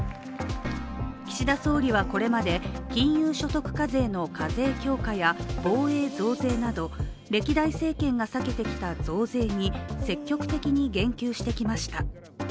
岸田総理はこれまで、金融所得課税の課税強化や防衛増税など歴代政権が避けてきた増税に積極的に言及してきました。